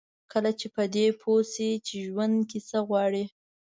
کله چې په دې پوه شئ چې ژوند کې څه غواړئ.